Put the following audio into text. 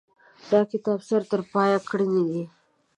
دا کتاب سر ترپایه ګړنې دي.